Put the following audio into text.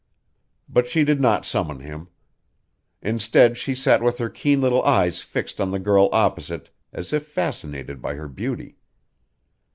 But she did not summon him. Instead she sat with her keen little eyes fixed on the girl opposite as if fascinated by her beauty.